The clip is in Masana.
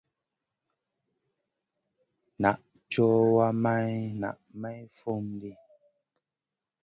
Naʼ cowa, maï naʼ may fum ɗi.